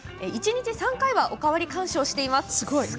一日３回はお代わり観賞をしています。